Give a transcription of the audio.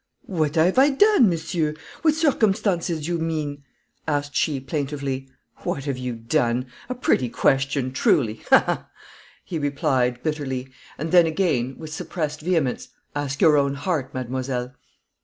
"What have I done, Monsieur? what circumstances do you mean?" asked she, plaintively. "What have you done! A pretty question, truly. Ha, ha!" he repeated, bitterly, and then added, with suppressed vehemence, "ask your own heart, mademoiselle."